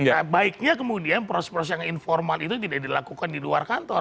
nah baiknya kemudian proses proses yang informal itu tidak dilakukan di luar kantor